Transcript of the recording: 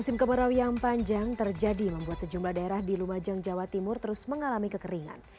musim kemarau yang panjang terjadi membuat sejumlah daerah di lumajang jawa timur terus mengalami kekeringan